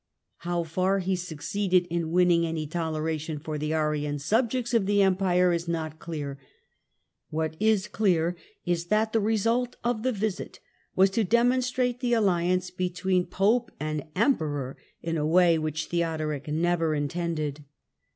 How far he succeeded in winning any toleration for the Arian subjects of the Empire is not clear; what is clear is that the result of the visit was to demonstrate the alliance between Pope and Emperor in a way that THE GOTHIC KINGDOM IN ITALY 31 theodoric never intended.